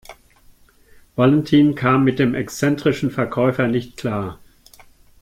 Valentin kam mit dem exzentrischen Verkäufer nicht klar.